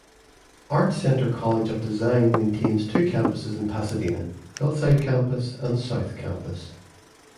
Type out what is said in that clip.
ArtCenter College of Design maintains two campuses in Pasadena: Hillside Campus and South Campus.